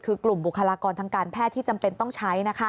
คือกลุ่มบุคลากรทางการแพทย์ที่จำเป็นต้องใช้